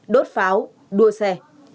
đốt pháo đua xe